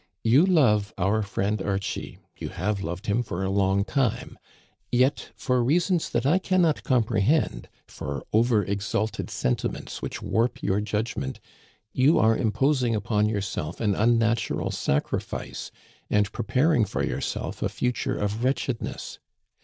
You love our friend Archie ; you have loved him for a long time ; yet for reasons that I can not comprehend, for over exalted sentiments which warp your judgment, you are imposing upon yourself an unnatural sacrifice and preparing for yourself a future of wretchedness.